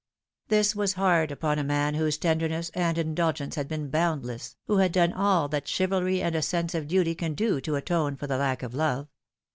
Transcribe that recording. This was hard upon a man whose tenderness and indulgence had been boundless, who had done all that chivalry and a sense of duty can do to atone for the lack of love.